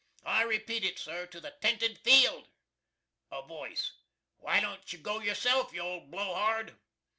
I repeat it sir, to the tented field." A voice "Why don't you go yourself, you old blowhard?"